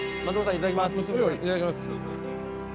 いただきます。